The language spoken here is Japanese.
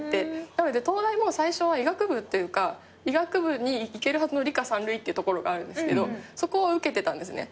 東大も最初は医学部というか医学部にいけるはずの理科三類っていうところがあるんですけどそこを受けてたんですね。